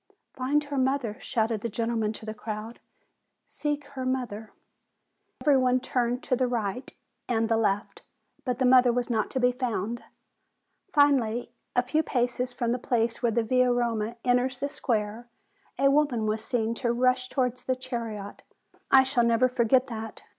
"Find her mother!" shouted the gentleman to the crowd; "seek her mother!" And every one turned to the right and the left; but the mother was not to be found. Finally, a few paces from the place where the Via Roma enters the square, a woman was seen to rush towards the chariot. Ah, I shall never forget that!